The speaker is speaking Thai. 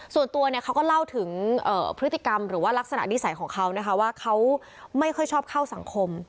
ส่วนตัวเนี่ยเขาก็เล่าถึงพฤติกรรมหรือว่าลักษณะนิสัยของเขานะคะว่าเขาไม่ค่อยชอบเข้าสังคม